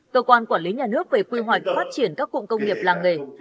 cơ quan quản lý nhà nước về quy hoạch phát triển các cụm công nghiệp làng nghề